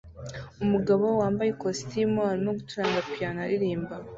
Umugabo wambaye ikositimu arimo gucuranga piyano aririmba